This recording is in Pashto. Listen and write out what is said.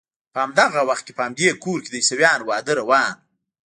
په همدغه وخت کې په همدې کور کې د عیسویانو واده روان و.